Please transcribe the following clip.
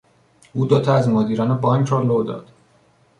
او دو تا از مدیران بانک را لو داد.